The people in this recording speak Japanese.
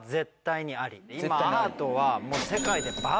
今アートは。